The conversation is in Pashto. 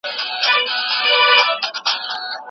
د لويانو ژړا بیا احساساتي وي.